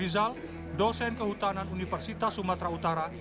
rizal dosen kehutanan universitas sumatera utara